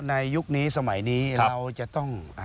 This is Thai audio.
ยุคนี้สมัยนี้เราจะต้อง